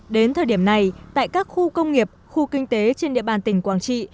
đến thời điểm này tại các khu công nghiệp khu kinh tế trên địa bàn tỉnh quảng trị